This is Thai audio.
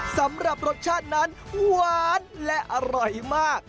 สำหรับรสชาตินั้นหวานและอร่อยมาก